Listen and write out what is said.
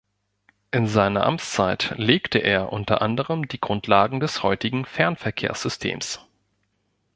In seiner Amtszeit legte er unter anderem die Grundlagen des heutigen Fernverkehrs-Systems.